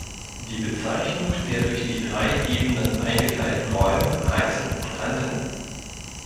Die Bezeichnung der durch die drei Ebenen eingeteilten Räume heißen Oktanten.